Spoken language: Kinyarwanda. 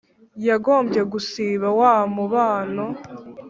yagombye gusiba wa mubonano